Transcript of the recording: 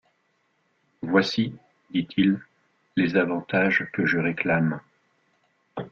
Voici, dit-il, les avantages que je réclame.